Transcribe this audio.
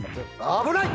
危ない！